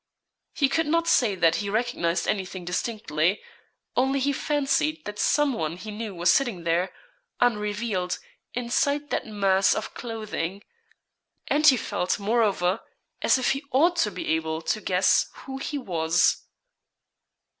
He could not say that he recognised anything distinctly only he fancied that some one he knew was sitting there, unrevealed, inside that mass of clothing. And he felt, moreover, as if he ought to be able to guess who he was.